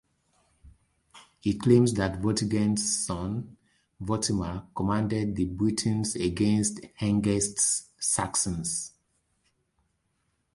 It claims that Vortigern's son Vortimer commanded the Britons against Hengest's Saxons.